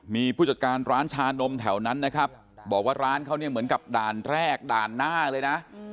มีผู้จัดการร้านชานมแถวนั้นนะครับบอกว่าร้านเขาเนี่ยเหมือนกับด่านแรกด่านหน้าเลยนะ